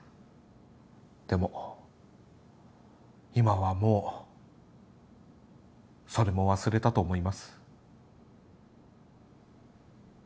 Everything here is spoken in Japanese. でも今はもうそれも忘れたと思います。